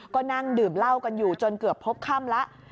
ก็นั่งดื่มเหล้ากันอยู่จนเกือบพบค่ำแล้ว